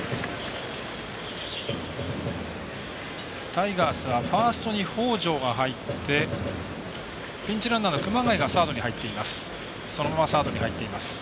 タイガースはファーストに北條が入ってピンチランナーの熊谷がそのままサードに入っています。